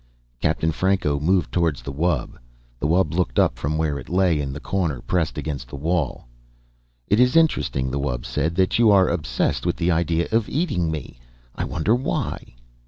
Captain Franco moved toward the wub. The wub looked up from where it lay in the corner, pressed against the wall. "It is interesting," the wub said, "that you are obsessed with the idea of eating me. I wonder why."